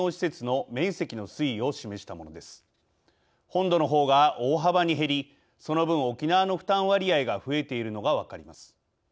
本土のほうが大幅に減りその分沖縄の負担割合が増えているのが分かります。